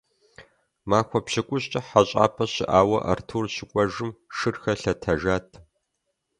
Махуэ пщыкӀущкӀэ хьэщӀапӀэ щыӀауэ Артур щыкӀуэжым, шырхэр лъэтэжат.